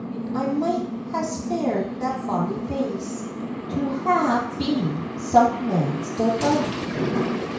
"I might ha'e spared that bonnie face To ha'e been some man's delight.